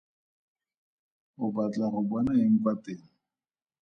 O batla go bona eng kwa teng.